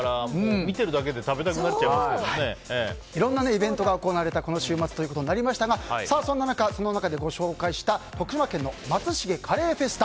見てるだけでいろんなイベントが行われたこの週末となりましたがそんな中、ご紹介した徳島県のまつしげカレーフェスタ